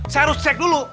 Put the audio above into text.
saya harus cek dulu